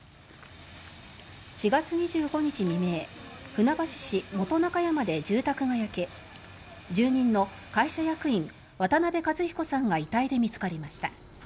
４月２５日未明船橋市本中山で住宅が焼け住人の会社役員渡辺和彦さんが遺体で見つかりました。